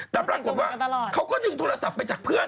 แต่ปรากฏว่าเขาก็ดึงโทรศัพท์ไปจากเพื่อน